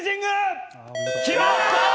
決まったー！